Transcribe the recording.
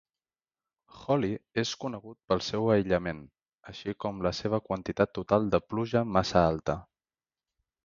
Holly és conegut pel seu aïllament, així com la seva quantitat total de pluja massa alta.